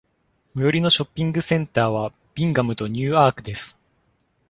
最寄りのショッピングセンターはビンガムとニューアークです。